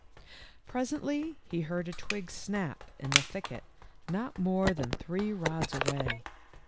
Presently he heard a twig snap in the thicket not more than three rods away.